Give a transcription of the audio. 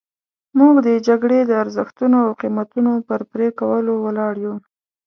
موږ د جګړې د ارزښتونو او قیمتونو پر پرې کولو ولاړ یو.